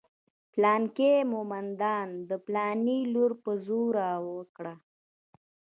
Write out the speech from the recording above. پلانکي قومندان د پلاني لور په زوره وکړه.